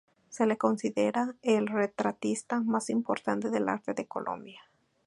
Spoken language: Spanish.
Se le considera el retratista más importante del arte de Colombia.